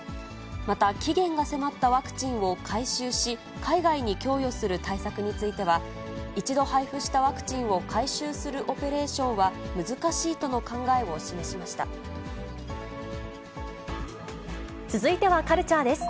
また、期限が迫ったワクチンを回収し、海外に供与する対策については、一度配布したワクチンを回収するオペレーションは難しいとの考え続いてはカルチャーです。